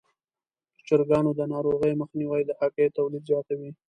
د چرګانو د ناروغیو مخنیوی د هګیو تولید زیاتوي.